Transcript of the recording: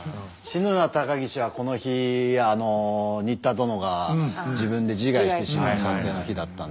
「死ぬな高岸」はこの日仁田殿が自分で自害してしまう撮影の日だったんですけど。